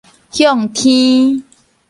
向天